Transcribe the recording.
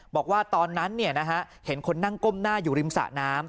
บอกว่าตอนนั้นเห็นคนนั่งก้มหน้าอยู่ริมสระน้ำ